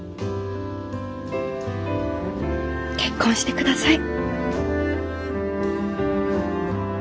結婚してください。